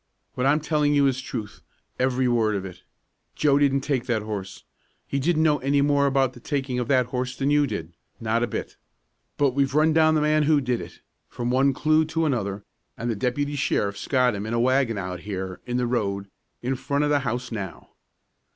What I'm telling you is truth, every word of it. Joe didn't take that horse. He didn't know any more about the taking of that horse than you did, not a bit. But we've run down the man who did it, from one clew to another, and the deputy sheriff's got him in a wagon out here in the road in front of the house now.